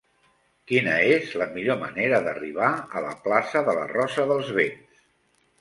Quina és la millor manera d'arribar a la plaça de la Rosa dels Vents?